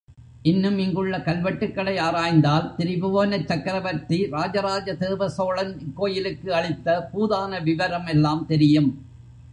இன்னும் இங்குள்ள கல்வெட்டுக்களை ஆராய்ந்தால் திரிபுவனச் சக்கரவர்த்தி ராஜராஜ தேவசோழன் இக்கோயிலுக்கு அளித்த பூதான விவரம் எல்லாம் தெரியும்.